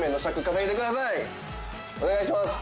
お願いします。